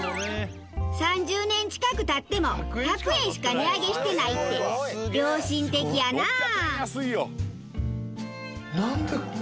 ３０年近く経っても１００円しか値上げしてないって良心的やなあ。